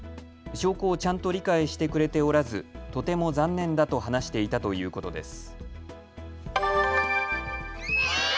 証拠をちゃんと理解してくれておらずとても残念だと話していたということです。